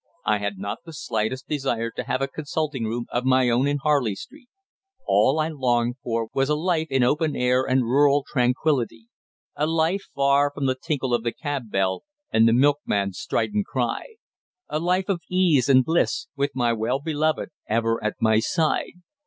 I had not the slightest desire to have a consulting room of my own in Harley Street. All I longed for was a life in open air and rural tranquillity; a life far from the tinkle of the cab bell and the milkman's strident cry; a life of ease and bliss, with my well beloved ever at my side.